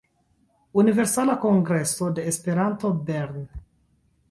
Universala Kongreso de Esperanto Bern“.